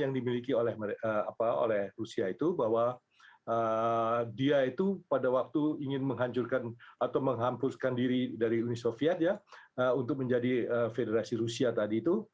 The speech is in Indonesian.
yang dimiliki oleh rusia itu bahwa dia itu pada waktu ingin menghancurkan atau menghampuskan diri dari uni soviet ya untuk menjadi federasi rusia tadi itu